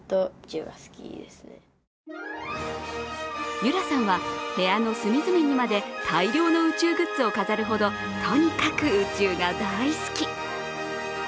結桜さんは、部屋の隅々にまで大量の宇宙グッズを飾るほどとにかく宇宙が大好き。